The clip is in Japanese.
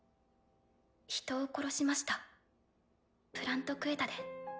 人を殺しましたプラント・クエタで。